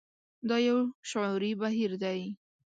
دا يو شعوري بهير دی.